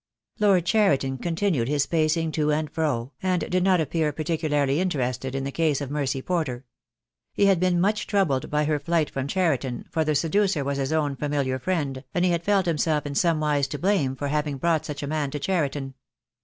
Lord Cheriton continued his pacing to and fro, and did not appear particularly interested in the case of 208 THE DAY WILL COME. Mercy Porter. He had been much troubled by her flight from Cheriton, for the seducer was his own familar friend, and he had felt himself in somewise to blame for having brought such a man to Cheriton.